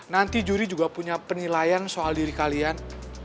nanti juri juga punya penilaian soal diri kalian